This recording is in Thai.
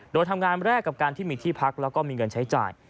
โดยทำงานแรกกับการที่มีที่พักแล้วก็มีเงินใช้จ่าย